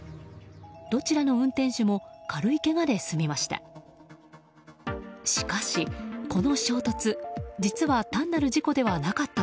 どちらの運転手も軽いけがで済みました。